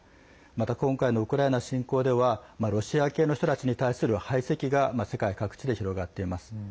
また、今回のウクライナ侵攻ではロシア系の人たちに対する排斥が世界各地で広がっています。